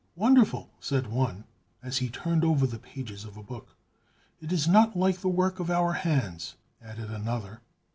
wonderful!" said one, as he turned over the pages of a book. "It is not like the work of our hands," added another.